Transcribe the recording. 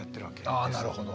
あなるほど。